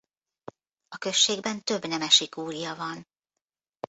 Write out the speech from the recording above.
A községben több nemesi kúria van.